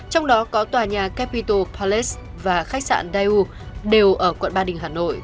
trong đó có tòa nhà capitol palace và khách sạn daewoo đều ở quận ba đình hà nội